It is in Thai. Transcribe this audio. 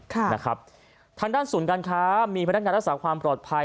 ทางด้านศูนย์การค้ามีพนักงานรักษาความปลอดภัย